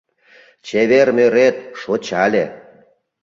Чевер мӧрет шочале.